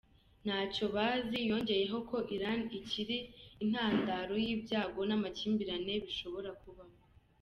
Ntacyo bazi!" Yongeyeho ko Iran ikiri "intandaro y'ibyago n'amakimbirane bishobora kubaho".